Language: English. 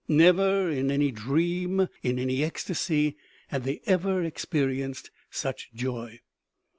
Never, in any dream, in any ecstasy, had they ever experienced such joy.